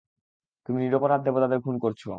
তুমি নিরপরাধ দেবতাদের খুন করছ।